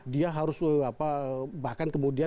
dia harus bahkan kemudian